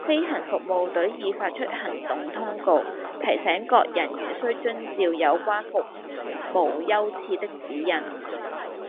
飛行服務隊已發出行動通告，提醒各人員須遵照有關任務優次的指引